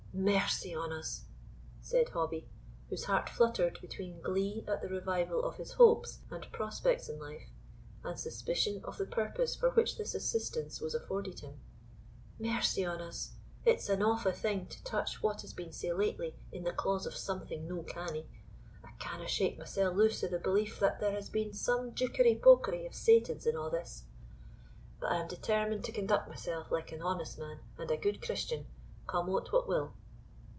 "Mercy on us!" said Hobbie, whose heart fluttered between glee at the revival of his hopes and prospects in life, and suspicion of the purpose for which this assistance was afforded him "Mercy on us! it's an awfu' thing to touch what has been sae lately in the claws of something no canny, I canna shake mysell loose o' the belief that there has been some jookery paukery of Satan's in a' this; but I am determined to conduct mysell like an honest man and a good Christian, come o't what will."